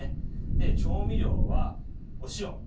で調味料はお塩。